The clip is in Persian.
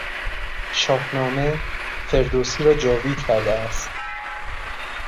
شاهنامه، فردوسی را جاوید کرده است.